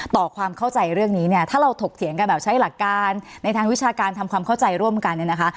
ต่อความเข้าใจเรื่องนี้เนี่ยถ้าเราถกเถียงกันแบบใช้หลักการในทางวิชาการทำความเข้าใจร่วมกันเนี่ยนะคะ